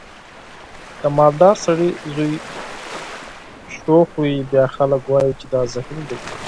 د مالدار سړي زوی شوخ وي بیا خلک وایي چې دا ذهین دی.